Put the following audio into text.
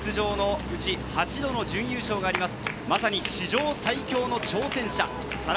過去１２回出場のうち、８度の準優勝があります。